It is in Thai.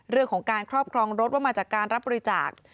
เรื่องของการครอบครองรถว่ามาจากการรับบริจาค